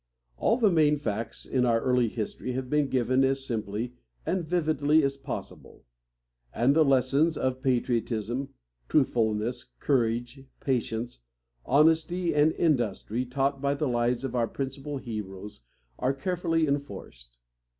All the main facts in our early history have been given as simply and vividly as possible, and the lessons of patriotism, truthfulness, courage, patience, honesty, and industry taught by the lives of our principal heroes are carefully enforced.